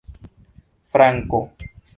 franko